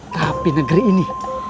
tapi negeri ini